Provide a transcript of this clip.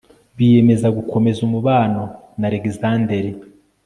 biyemeza gukomeza umubano na alegisanderi